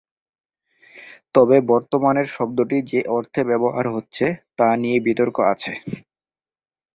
তবে বর্তমানের শব্দটি যে অর্থে ব্যবহার হচ্ছে, তা নিয়ে বিতর্ক আছে।